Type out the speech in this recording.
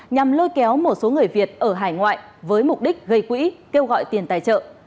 nhằm lôi kéo một số người việt ở hải ngoại với mục đích gây quỹ kêu gọi tiền tài trợ